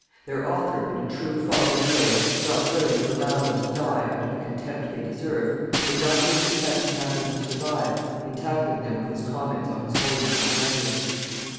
Their author, in a true fatherly way, not willing to allow them to die under the contempt they deserve, would not lose the chance to have them to survive in tackling them with his comments on His Holiness' letters.